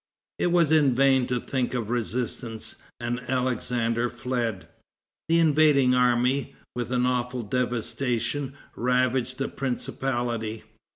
It was in vain to think of resistance, and Alexander fled. The invading army, with awful devastation, ravaged the principality.